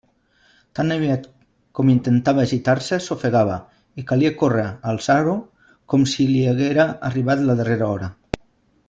Tan aviat com intentava gitar-se s'ofegava, i calia córrer a alçar-ho, com si li haguera arribat la darrera hora.